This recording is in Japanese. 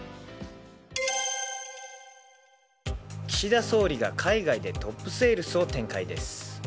岸田総理が海外でトップセールスを展開です。